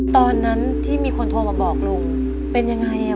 ตอนนั้นที่มีคนโทรมาบอกลุงเป็นยังไงอ่ะ